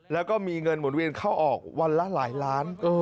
แล้วก็มีเงินหมุนเวียนเข้าออกวันละหลายล้าน